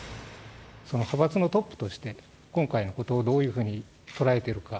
その派閥のトップとして、今回のことをどういうふうに捉えてるか？